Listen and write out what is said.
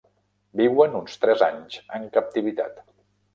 Viuen uns tres anys en captivitat.